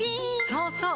そうそう！